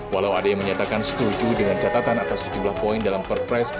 walau ada yang menyatakan setuju dengan catatan atas sejumlah poin dalam perpres